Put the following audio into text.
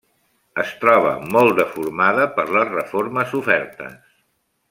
Es troba molt deformada per les reformes sofertes.